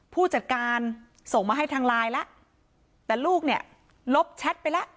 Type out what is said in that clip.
ผู้จัดการส่งมาให้ทางไลน์แล้วแต่ลูกเนี่ยลบแชทไปแล้ว